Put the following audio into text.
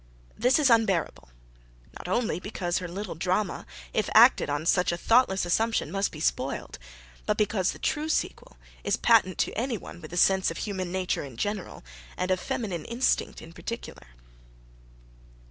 This is unbearable, not only because her little drama, if acted on such a thoughtless assumption, must be spoiled, but because the true sequel is patent to anyone with a sense of human nature in general, and of feminine instinct in particular.